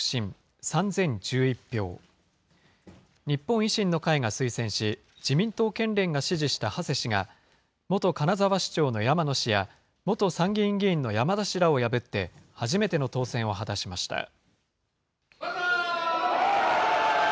日本維新の会が推薦し、自民党県連が支持した馳氏が、元金沢市長の山野氏や元参議院議員の山田氏らを破って、初めての当選を果たしました。